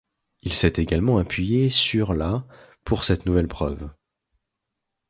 Il s'est également appuyé sur la pour cette nouvelle preuve.